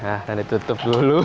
nah udah ditutup dulu